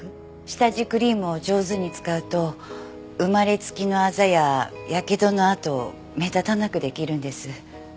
下地クリームを上手に使うと生まれつきのアザややけどの痕を目立たなく出来るんです。